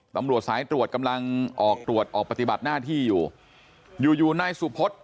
ตำรวจสายตรวจกำลังออกตรวจออกปฏิบัติหน้าที่อยู่อยู่นายสุพธ